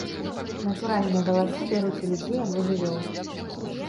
Натуральныя валасы бяруць у людзей або жывёл.